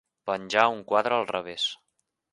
Penjar un quadre al revés.